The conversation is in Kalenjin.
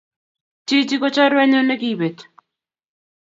Chichi kochorwennyu ne bekit